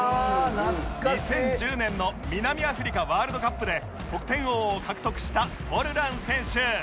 ２０１０年の南アフリカワールドカップで得点王を獲得したフォルラン選手